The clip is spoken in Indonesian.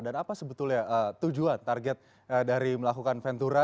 dan apa sebetulnya tujuan target dari melakukan ventura